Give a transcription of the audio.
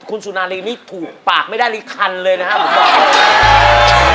คุณสุนาลีนี่ถูกปากไม่ได้รีคันเลยนะครับ